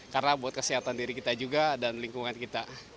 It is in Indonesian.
karena buat kesehatan diri kita juga dan lingkungan kita